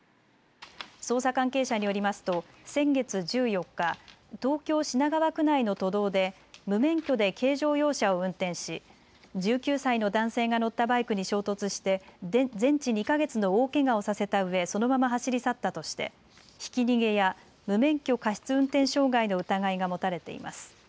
捜査関係者によりますと先月１４日、東京品川区内の都道で無免許で軽乗用車を運転し１９歳の男性が乗ったバイクに衝突して全治２か月の大けがをさせたうえ、そのまま走り去ったとしてひき逃げや無免許過失運転傷害の疑いが持たれています。